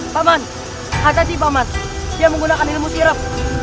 paman ada sih paman dia menggunakan ilmu sirap